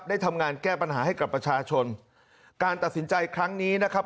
ได้ทำงานแก้ปัญหาให้กับประชาชนการตัดสินใจครั้งนี้นะครับ